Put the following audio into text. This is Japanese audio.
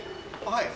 はい。